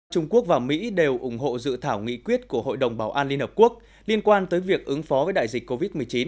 trung quốc và mỹ đều ủng hộ dự thảo nghị quyết của hội đồng bảo an liên hợp quốc liên quan tới việc ứng phó với đại dịch covid một mươi chín